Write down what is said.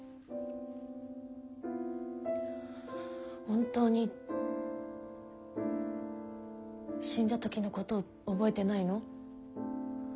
本当に死んだ時のこと覚えてないの？